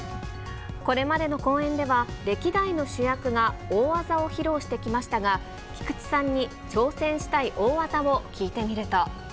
これまでの公演では、歴代の主役が大技を披露してきましたが、菊池さんに挑戦したい大技を聞いてみると。